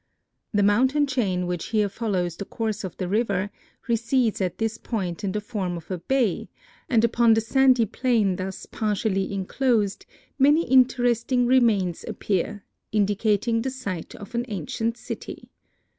The mountain chain which here follows the course of the river, recedes at this point in the form of a bay, and upon the sandy plain thus partially enclosed, many interesting remains appear, indicating the site of an ancient city.